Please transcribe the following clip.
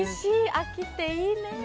秋っていいね。